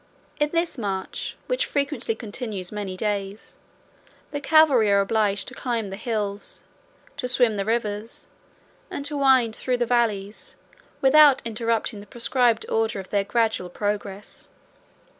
In this march, which frequently continues many days, the cavalry are obliged to climb the hills, to swim the rivers, and to wind through the valleys, without interrupting the prescribed order of their gradual progress.